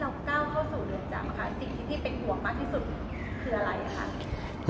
ก้าวเข้าสู่เรือนจำค่ะสิ่งที่พี่เป็นห่วงมากที่สุดคืออะไรคะ